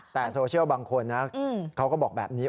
แต่โซเชียลบางคนนะเขาก็บอกแบบนี้